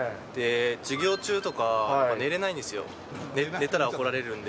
授業中とか、寝れないんですよ、寝たら怒られるんで。